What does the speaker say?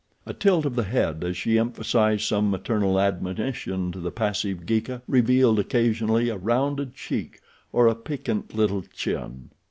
A tilt of the head as she emphasized some maternal admonition to the passive Geeka revealed occasionally a rounded cheek or a piquant little chin.